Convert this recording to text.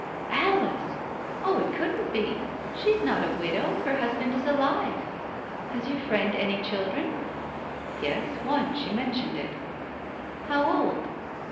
"Alice 1 Oh, it couldn't be — she is not a widow, her husband is alive — has your friend any children ?" "Yes, one, she mentioned it." "How old?"